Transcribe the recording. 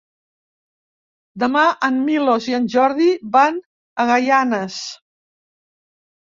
Demà en Milos i en Jordi van a Gaianes.